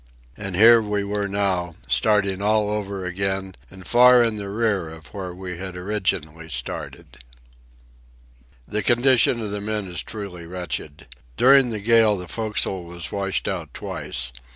And here we were now, starting all over again and far in the rear of where we had originally started. The condition of the men is truly wretched. During the gale the forecastle was washed out twice.